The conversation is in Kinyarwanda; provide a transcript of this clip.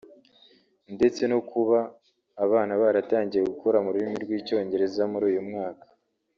ndetse no kuba abana baratangiye gukora mu rurimi rw’icyongereza muri uyu mwaka